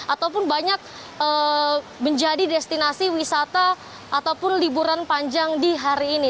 ataupun banyak menjadi destinasi wisata ataupun liburan panjang di hari ini